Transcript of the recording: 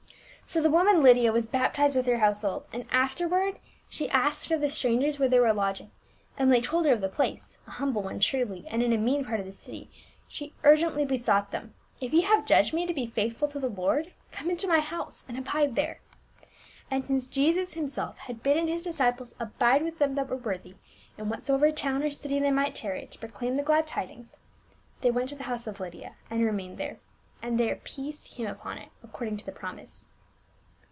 So the woman Lydia was baptized with her house hold, and afterward she asked of the strangers where they were lodging, and when they told her of the place — a humble one truly and in a mean part of the city, she urgently besought them, " If ye have judged me to be faithful to the Lord, come into my house and abide there." And since Jesus himself had bidden his disciples abide with them that were worthy, in whatsoever town or city they might tarry to proclaim the glad tidings, they went to the house of Lydia and rem.ained there, and their "peace came upon it," according to the promise.